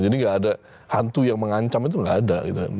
jadi gak ada hantu yang mengancam itu gak ada gitu kan